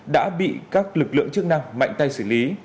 đã bị các lực lượng chức năng mạnh tay xử lý